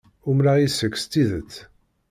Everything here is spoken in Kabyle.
Umreɣ yes-k s tidet.